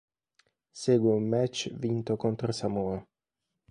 Segue un match vinto contro Samoa.